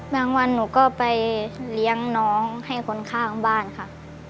วันหนูก็ไปเลี้ยงน้องให้คนข้างบ้านค่ะ